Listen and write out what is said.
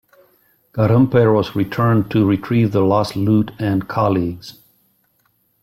Garimpeiros returned to retrieve the lost loot and colleagues.